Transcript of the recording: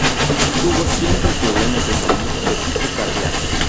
Tuvo siempre problemas de salud de tipo cardíaco.